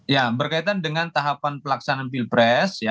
ya berkaitan dengan tahapan pelaksanaan pilpres